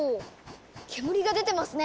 煙が出てますね！